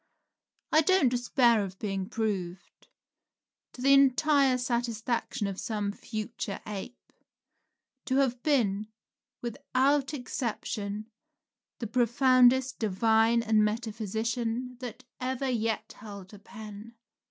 I don't despair of being proved, to the entire satisfaction of some future ape, to have been, without exception, the profoundest divine and metaphysician that ever yet held a pen.